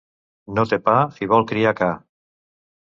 No té pa i vol criar ca.